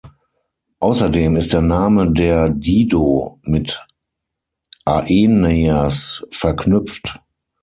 Außerdem ist der Name der Dido mit Aeneas verknüpft.